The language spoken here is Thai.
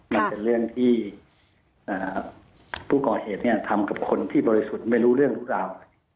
มันเป็นเรื่องที่ผู้ก่อเหตุทำกับคนที่บริสุทธิ์ไม่รู้เรื่องรู้ราว